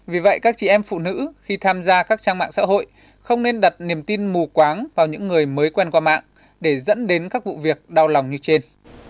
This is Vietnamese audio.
vì vậy các chị em phụ nữ khi tham gia các trang mạng xã hội không nên đặt niềm tin mù quáng vào những người mới quen qua mạng để dẫn đến các vụ việc đau lòng như trên